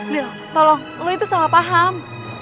lil tolong lo itu salah paham